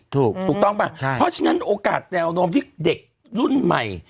ถูกต้องป่ะเพราะฉะนั้นโอกาสแนวโน้มที่เด็กรุ่นใหม่